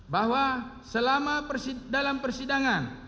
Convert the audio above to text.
bahwa selama dalam persidangan